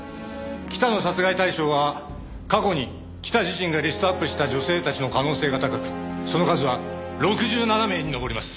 北の殺害対象は過去に北自身がリストアップした女性たちの可能性が高くその数は６７名に上ります。